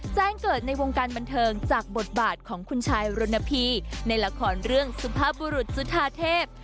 แจ้งเกิดในวงการบันเทิงจากบทบาทของคุณชายรณพีในละครเรื่องสุภาพบุรุษจุธาเทพ